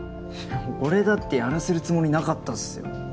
俺だってやらせるつもりなかったっすよ。